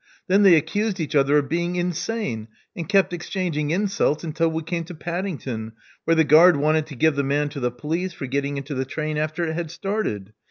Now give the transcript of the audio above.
Then they accused each other of being insane, and kept exchanging insults until we came to Padding ton, where the guard wanted to give the man to the police for getting into the train after it had started.